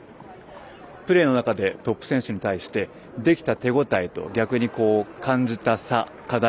プレーの中でトップ選手に対してできた手応えと逆に感じた差、課題